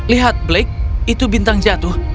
lihat blake itu bintang jatuh